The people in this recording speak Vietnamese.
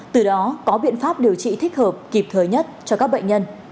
từ đó có biện pháp điều trị thích hợp kịp thời nhất cho các bệnh nhân